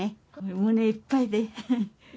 胸いっぱいで。